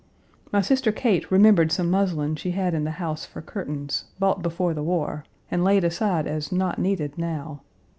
My sister Kate remembered some muslin she had in the house for curtains, bought before the war, and laid aside as not needed now.